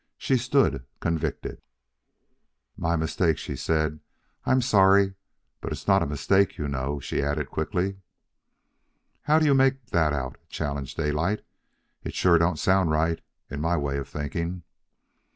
She stood convicted. "My mistake," she said. "I am sorry. But it's not a mistake, you know," she added quickly. "How do you make that out?" challenged Daylight. "It sure don't sound right, in my way of thinking."